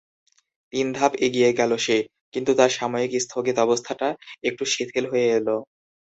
তিন ধাপ এগিয়ে গেল সে, কিন্তু তার সাময়িক স্থগিত অবস্থাটা একটু শিথিল হয়ে এলো।